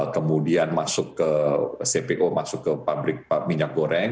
kemudian cpo masuk ke pabrik minyak goreng